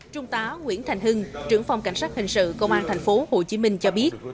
trung tá nguyễn thành hưng trưởng phòng cảnh sát hình sự công an tp hcm cho biết